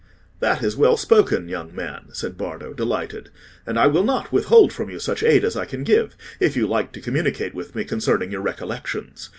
"That is well spoken, young man," said Bardo, delighted. "And I will not withhold from you such aid as I can give, if you like to communicate with me concerning your recollections.